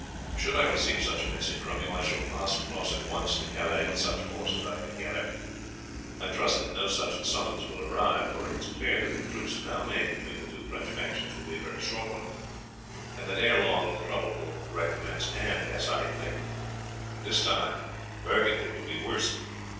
"Should I receive such a message from you, I shall pass across at once to Calais with such force as I can gather. I trust that no such summons will arrive, for it is clear that the truce now made between the two French factions will be a very short one, and that ere long the trouble will recommence, and, as I think, this time Burgundy will be worsted.